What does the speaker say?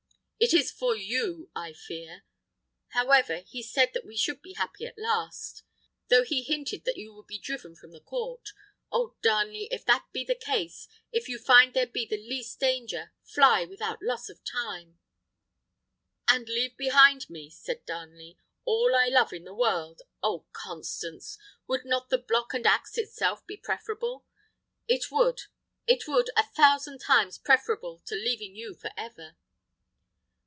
It is for you I fear. However, he said that we should be happy at last, though he hinted that you would be driven from the court. Oh, Darnley! if that be the case if you find there be the least danger fly without loss of time " "And leave behind me," said Darnley, "all I love in the world! Oh, Constance! would not the block and axe itself be preferable? It would, it would, a thousand times preferable to leaving you for ever!"